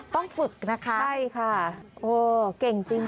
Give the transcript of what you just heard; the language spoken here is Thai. ต้องฝึกนะคะใช่ค่ะโอ๊ยเก่งจริง